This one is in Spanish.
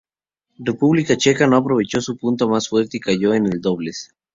República Checa no aprovechó su punto más fuerte y cayó en el dobles.